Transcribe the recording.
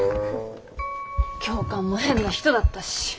教官も変な人だったし。